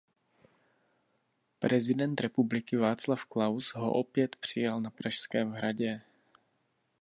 Prezident republiky Václav Klaus ho opět přijal na Pražském hradě.